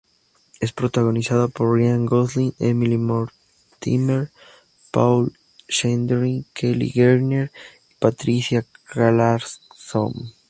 Es protagonizada por Ryan Gosling, Emily Mortimer, Paul Schneider, Kelli Garner y Patricia Clarkson.